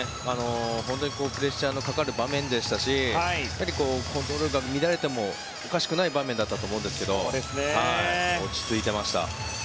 プレッシャーのかかる場面でしたしコントロールが乱れてもおかしくない場面だったと思うんですが落ち着いていました。